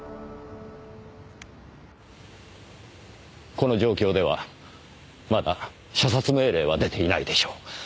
この状況ではまだ射殺命令は出ていないでしょう。